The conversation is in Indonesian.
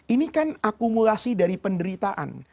ini kan akumulasi dari penderitaan